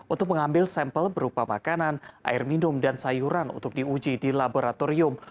untuk mengambil sampel berupa makanan air minum dan sayuran untuk diuji di laboratorium